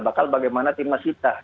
bahkan bagaimana tim mas hita